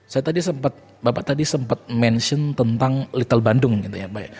saya tadi sempat bapak tadi sempat mention tentang little bandung gitu ya pak ya